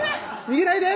「逃げないで！」